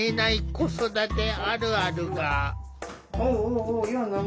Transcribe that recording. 子育てあるあるが。